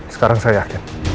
sekarang saya yakin